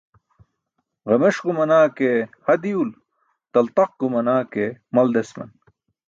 Ġames gumana ke ha diwul taltaq gumana ke mal desman.